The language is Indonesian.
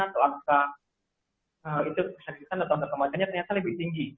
atau angka itu kesakitan atau angka kematiannya ternyata lebih tinggi